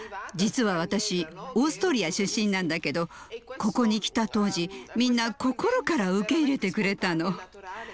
実は私オーストリア出身なんだけどここに来た当時みんな心から受け入れてくれたの。